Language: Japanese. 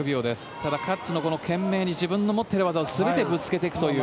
ただ、カッツも懸命に自分が持っている技を全てぶつけていくという。